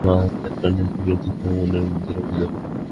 উহা আমার কানে ঢুকিয়া দেহ ও মনের মধ্যে রহিল।